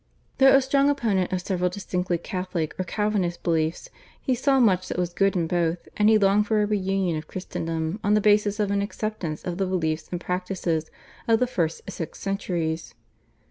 Though a strong opponent of several distinctly Catholic or Calvinist beliefs he saw much that was good in both, and he longed for a reunion of Christendom on the basis of an acceptance of the beliefs and practices of the first six centuries.